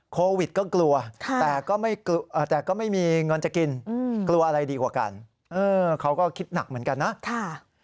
โควิดก็กลัวแต่ก็ไม่มีเงินจะกินกลัวอะไรดีกว่ากันเขาก็คิดหนักเหมือนกันนะ